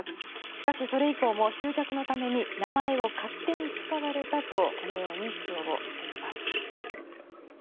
しかしそれ以降も集客のために名前を勝手に使われたと主張しています。